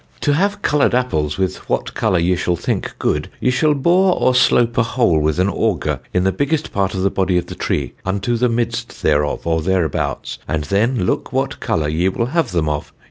To have coloured Apples with what colour ye shall think good ye shall bore or slope a hole with an Auger in the biggest part of the body of the tree, unto the midst thereof, or thereabouts, and then look what colour ye will have them of.